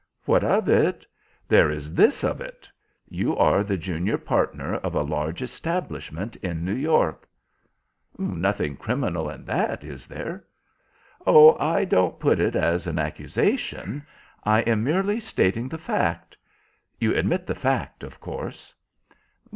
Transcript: "What of it? There is this of it. You are the junior partner of a large establishment in New York?" "Nothing criminal in that, is there?" "Oh, I don't put it as an accusation, I am merely stating the fact. You admit the fact, of course?"